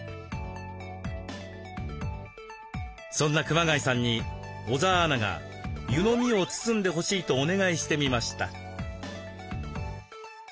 そんな熊谷さんに小澤アナが湯飲みを包んでほしいとお願いしてみました。